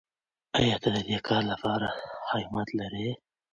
آیا ته د دې کار لپاره همت لرې؟